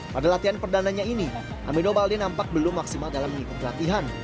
pada latihan perdana ini amido balde nampak belum maksimal dalam mengikuti latihan